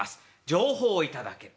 情報を頂ける。